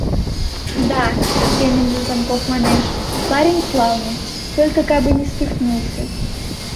— Да, — семынже Санков манеш, — парень славный... только кабы не свихнулся...